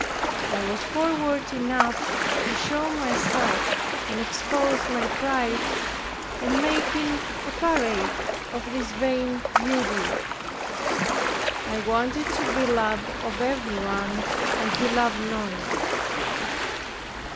I was forward enough to show myself and expose my pride, in making a parade of this vain beauty. I wanted to be loved of everyone and to love none.